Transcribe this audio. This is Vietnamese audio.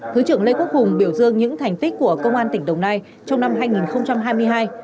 thứ trưởng lê quốc hùng biểu dương những thành tích của công an tỉnh đồng nai trong năm hai nghìn hai mươi hai